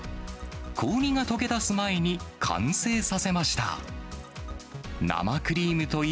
氷が溶けだす前に完成させました。